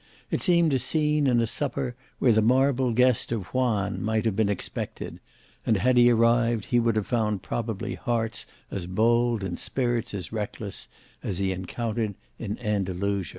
It seemed a scene and a supper where the marble guest of Juan might have been expected, and had he arrived, he would have found probably hearts as bold and spirits as reckless as he encountered in Andalusia.